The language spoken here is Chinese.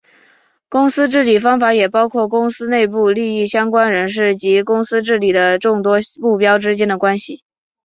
公司治理方法也包括公司内部利益相关人士及公司治理的众多目标之间的关系。